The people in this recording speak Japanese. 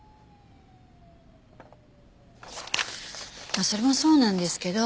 まあそれもそうなんですけど。